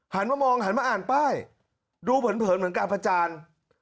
หันมามองหันมาอ่านป้ายดูเผินเหมือนกับพระจาน